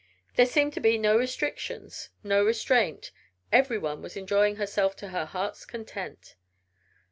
There seemed to be no restrictions, no restraint everyone was enjoying herself to her heart's content.